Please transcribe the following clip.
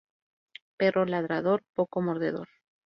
Perro ladrador, poco mordedor